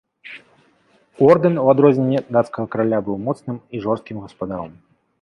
Ордэн, у адрозненне дацкага караля, быў моцным і жорсткім гаспадаром.